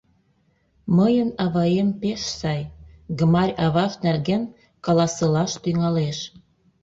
Мыйын аваем пеш сай, — Гмарь аваж нерген каласылаш тӱҥалеш.